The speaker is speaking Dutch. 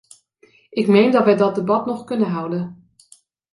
Ik meen dat wij dat debat nog kunnen houden.